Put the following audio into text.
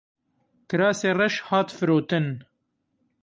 Kirasê reş hat firotin.